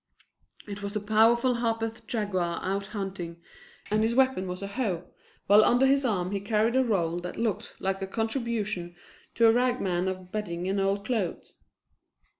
It was the powerful Harpeth Jaguar out hunting, and his weapon was a hoe, while under his arm he carried a roll that looked like a contribution to a rag man of bedding and old clothes.